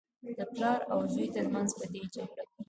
د پلار او زوى تر منځ په دې جګړه کې.